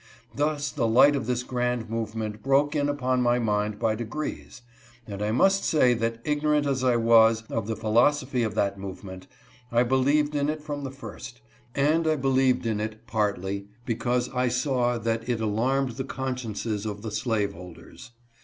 Thus the light of this grand movement broke in upon my mind by de grees ; and I must say that ignorantTas I_was~of the phi losophy of that movement, I believed in it from the first, and I believed in it, partly, because I saw that it alarmed the consciences of the slaveholders.